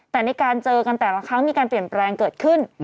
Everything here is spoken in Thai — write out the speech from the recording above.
แต่ในการเจอกันแต่ละครั้งมีการเปลี่ยนแปลงเกิดขึ้น